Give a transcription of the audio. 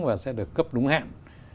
và sẽ được cấp đúng hạn